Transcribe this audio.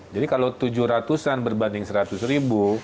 jadi kalau tujuh ratus an berbanding seratus ribu